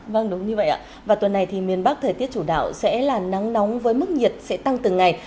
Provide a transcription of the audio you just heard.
vâng đúng như vậy ạ và tuần này thì miền bắc thời tiết chủ đạo sẽ là nắng nóng với mức nhiệt sẽ tăng từng ngày